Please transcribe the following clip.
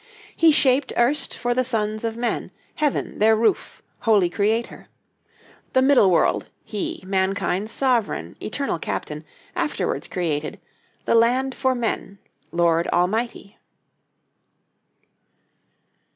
He shaped erst for the sons of men Heaven, their roof, Holy Creator; The middle world, He, mankind's sovereign, Eternal captain, afterwards created, The land for men, Lord Almighty."